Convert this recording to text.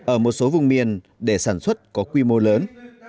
ở một số vùng miền để sản xuất có quy mô lớn